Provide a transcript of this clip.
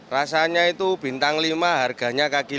rasanya itu bintang lima harganya kaki lima